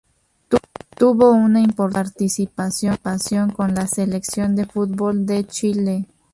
Tuvo una importante participación con la Selección de fútbol de Chile.